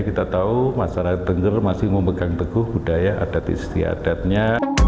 kita tahu masyarakat tengger masih memegang teguh budaya adat istiadatnya